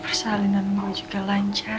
persalinan lo juga lancar